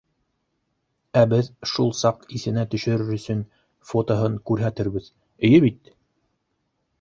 Ә беҙ шул саҡ иҫенә төшөрөр өсөн фотоһын күрһәтербеҙ, эйе бит!